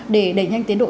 để đẩy nhanh tiến độ